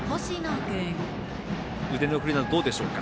腕の振りなど、どうでしょうか。